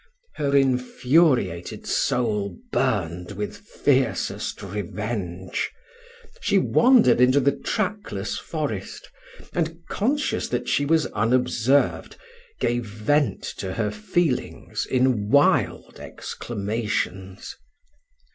Her infuriated soul burned with fiercest revenge: she wandered into the trackless forest, and, conscious that she was unobserved, gave vent to her feelings in wild exclamations.